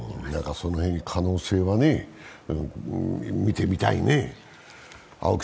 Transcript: その辺に可能性は見てみたいね。